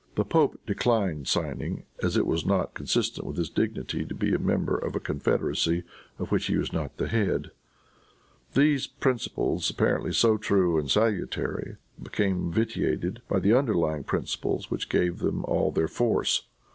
The pope declined signing, as it was not consistent with his dignity to be a member of a confederacy of which he was not the head. These principles, apparently so true and salutary, became vitiated by the underlying of principles which gave them all their force.